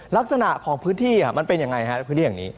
ลักษณะของพื้นที่มันเป็นยังไงครับพื้นที่อย่างนี้